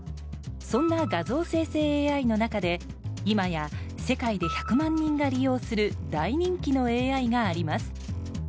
そんな画像生成ＡＩの中で今や世界で１００万人が利用する大人気のＡＩがあります。